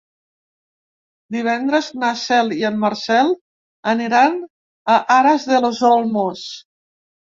Divendres na Cel i en Marcel aniran a Aras de los Olmos.